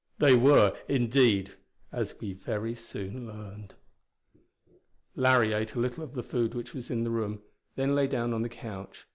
They were, indeed, as we very soon learned. Larry ate a little of the food which was in the room, then lay down on the couch.